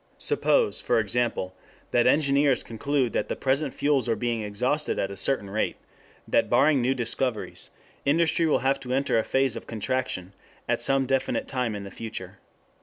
Suppose, for example, that engineers conclude that the present fuels are being exhausted at a certain rate; that barring new discoveries industry will have to enter a phase of contraction at some definite time in the future.